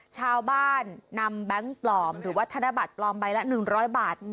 ชาวบ้านนำแบงค์ปลอมหรือว่าธนบัตรปลอมใบละ๑๐๐บาท